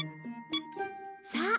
さあ